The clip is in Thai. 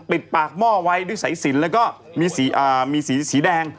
ปิดปากหม้อไว้ด้วยสายสินแล้วก็มีสีแดง